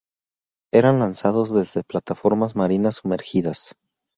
Eran lanzados desde plataformas marinas sumergidas.